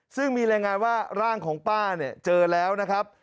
ซึ่งมีรายงานว่าร่างของป้าเนี่ยเจอแล้วนะครับ